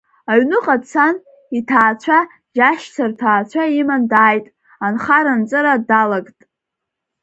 Аҩныҟа дцан, иҭаацәа, иашьцәа рҭаацәа иман дааит, анхара-анҵыра далагт.